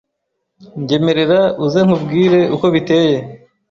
Njyemerera uze nkubwire uko biteye